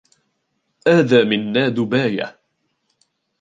أذى منّاد باية.